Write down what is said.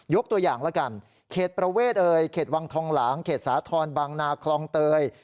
ตัวอย่างละกันเขตประเวทเอ่ยเขตวังทองหลางเขตสาธรณ์บางนาคลองเตย